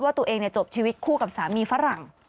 ตัวเองจบชีวิตคู่กับสามีฝรั่ง